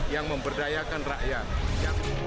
yang memberdayakan rakyat